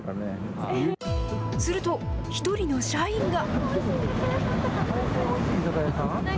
すると、１人の社員が。